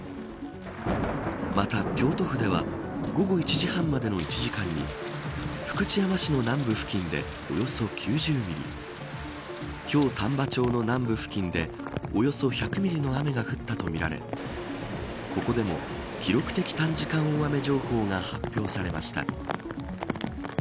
また、京都府では午後１時半までの１時間に福知山市の南部付近でおよそ９０ミリ京丹波町の南部付近でおよそ１００ミリの雨が降ったとみられここでも記録的短時間大雨情報が発表されました。